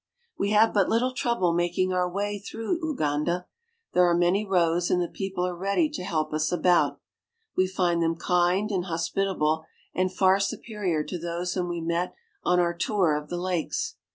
We have but little trouble making our way through Uganda. There are many roads, and the people are ready to help us about We find them kind and hospitable and far superior to those whom we met on our tour of the lakes.